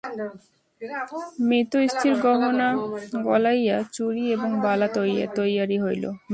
মৃত স্ত্রীর গহনা গলাইয়া চুড়ি এবং বালা তৈয়ারি হইল।